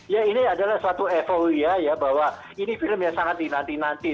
ya ini adalah suatu evoluya ya bahwa ini film yang sangat dinanti nanti